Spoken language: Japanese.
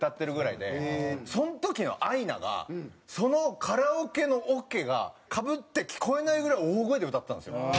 その時のアイナがそのカラオケのオケが被って聞こえないぐらい大声で歌ってたんですよ。